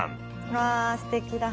わすてきだ。